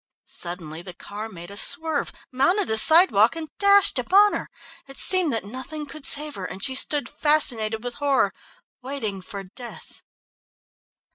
Suddenly the car made a swerve, mounted the sidewalk and dashed upon her. It seemed that nothing could save her, and she stood fascinated with horror, waiting for death.